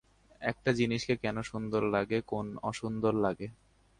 একটা জিনিসকে কেন সুন্দর লাগে, কোন অসুন্দর লাগে?